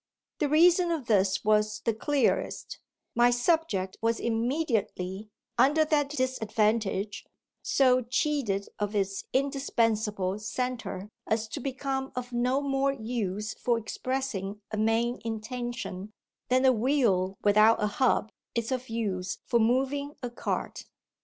The reason of this was the clearest my subject was immediately, under that disadvantage, so cheated of its indispensable centre as to become of no more use for expressing a main intention than a wheel without a hub is of use for moving a cart.